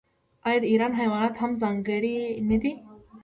آیا د ایران حیوانات هم ځانګړي نه دي؟